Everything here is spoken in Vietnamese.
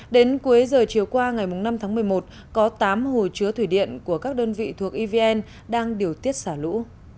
đến cuối giờ chiều qua ngày năm tháng một mươi một có tám hồ chứa thủy điện của các đơn vị thuộc evn đang điều tiết xả lũ